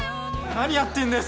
何やってんだよ